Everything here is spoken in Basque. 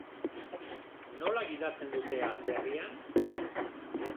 Nola gidatzen dute atzerrian?